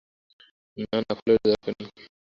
না না, ফুলের দরকার নেই।